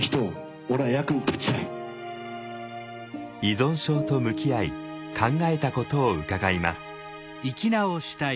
依存症と向き合い考えたことを伺います。